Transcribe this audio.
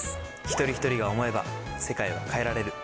一人一人が想えば世界は変えられる。